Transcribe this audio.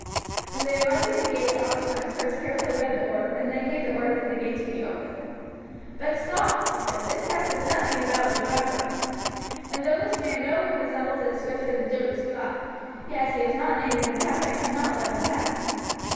When they arrived at the gate the officer in charge carefully read the order, and then gave the order for the gate to be opened. "But stop," he said, "this pass says nothing about a driver, and though this man in no way resembles the description of the doughty Scot, yet as he is not named in the pass I cannot let him pass."